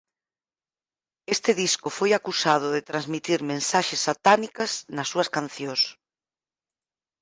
Este disco foi acusado de transmitir mensaxes satánicas nas súas cancións.